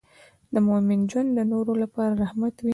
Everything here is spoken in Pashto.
د مؤمن ژوند د نورو لپاره رحمت وي.